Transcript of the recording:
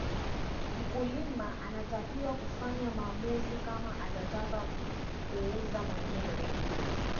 Mkulima anatakiwa kufanya maamuzi kama atataka kuuza mwenyewe